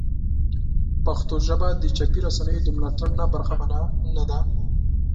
پښتو ژبه د چاپي رسنیو د ملاتړ نه برخمنه نه ده.